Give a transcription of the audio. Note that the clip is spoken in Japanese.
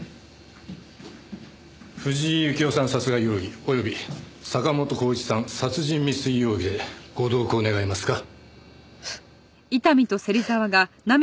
藤井由紀夫さん殺害容疑および坂本紘一さん殺人未遂容疑でご同行願えますか？